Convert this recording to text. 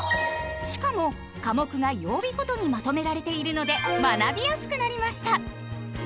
しかも科目が曜日ごとにまとめられているので学びやすくなりました！